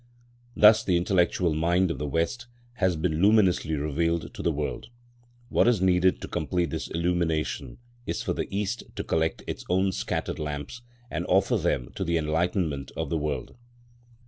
Thus the intellectual mind of the West has been luminously revealed to the world. What is needed to complete this illumination is for the East to collect its own scattered lamps and offer them to the enlightenment of the world.